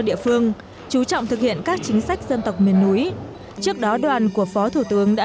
địa phương chú trọng thực hiện các chính sách dân tộc miền núi trước đó đoàn của phó thủ tướng đã